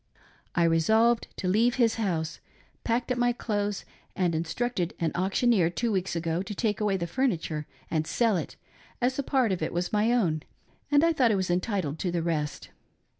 I resolved to leave his house, packed up my clothes and instructed an auction eer two weeks ago to take away the furniture and sell it, as a part of it was my own, and I thought I was entitled to the rest.